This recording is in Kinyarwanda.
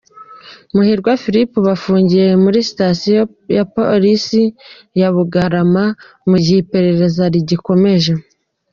Muhirwa Philippe ubu afungiye kuri sitasiyo ya polisi ya Bugarama, mu gihe iperereza rigikomeje.